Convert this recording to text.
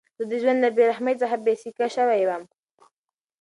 زه د ژوند له بېرحمۍ څخه بېسېکه شوی وم.